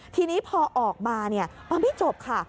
ทีนี้พอออกมามันไม่จบค่ะ